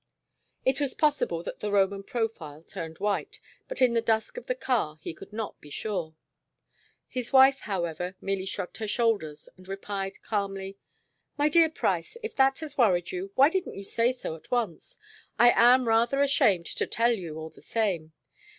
It was possible that the Roman profile turned white, but in the dusk of the car he could not be sure. His wife, however, merely shrugged her shoulders and replied calmly: "My dear Price, if that has worried you, why didn't you say so at once? I am rather ashamed to tell you, all the same.